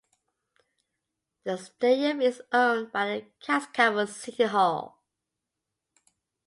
The stadium is owned by the Cascavel City Hall.